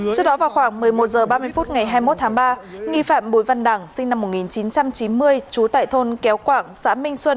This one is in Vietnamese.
trước đó vào khoảng một mươi một h ba mươi phút ngày hai mươi một tháng ba nghi phạm bùi văn đẳng sinh năm một nghìn chín trăm chín mươi trú tại thôn kéo quảng xã minh xuân